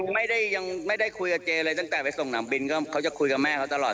ไม่ยังไม่ได้คุยกับเจ๊เลยตั้งแต่ไปสนามบิลเขาจะคุยกับแม่เค้าตลอด